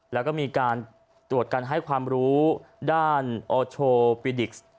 และก็มีตรวจการให้ความรู้ด้านโอทโลปรีดิกซ์